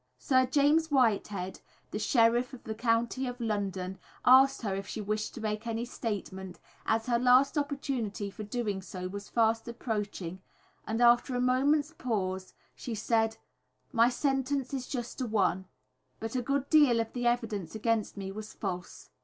Sir James Whitehead, the Sheriff of the County of London, asked her if she wished to make any statement, as her last opportunity for doing so was fast approaching, and after a moment's pause she said: "My sentence is a just one, but a good deal of the evidence against me was false."